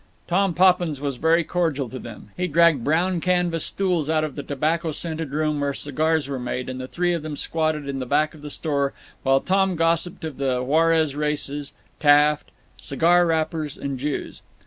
Tom Poppins was very cordial to them. He dragged brown canvas stools out of the tobacco scented room where cigars were made, and the three of them squatted in the back of the store, while Tom gossiped of the Juarez races, Taft, cigar wrappers, and Jews.